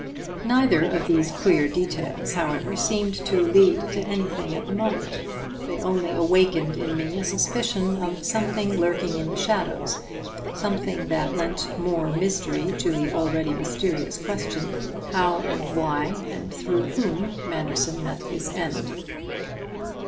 Neither of these queer details, however, seemed to lead to anything at the moment. They only awakened in me a suspicion of something lurking in the shadows, something that lent more mystery to the already mysterious question how and why and through whom Manderson met his end.